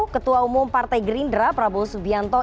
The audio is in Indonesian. ketua umum partai gerindra prabowo subianto